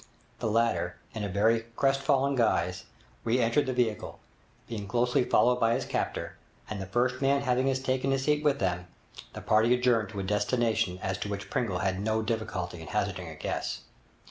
The latter, in very crestfallen guise, re entered the vehicle, being closely followed by his captor; and the first man having taken his seat with them, the party adjourned to a destination as to which Pringle had no difficulty in hazarding a guess.